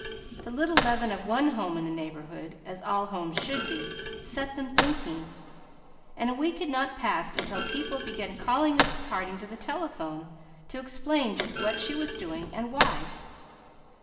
The little leaven of one home in the neighbourhood, as all homes should be, set them thinking. A week had not passed until people began calling Mrs. Harding to the telephone to explain just what she was doing, and why.